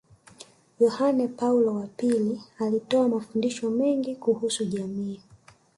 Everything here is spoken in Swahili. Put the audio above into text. Yohane Paulo wa pili alitoa mafundisho mengi kuhusu jamii